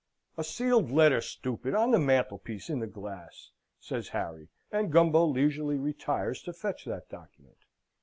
"A sealed letter, stupid! on the mantelpiece, in the glass!" says Harry; and Gumbo leisurely retires to fetch that document.